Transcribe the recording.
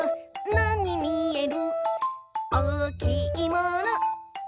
なにみえる？」